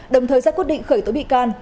đồng thời sẽ quyết định khởi tố bị can